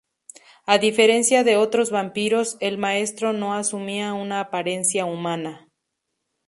A diferencia de otros vampiros, el Maestro no asumía una apariencia humana.